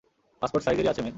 Passport সাইজেরই আছে মে।